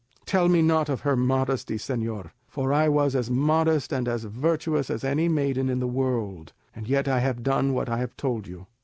"Tell me not of her modesty, señor; for I was as modest and as virtuous as any maiden in the world, and yet I have done what I have told you.